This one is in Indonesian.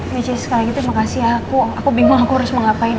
michi sekarang gitu makasih ya aku bingung aku harus mau ngapain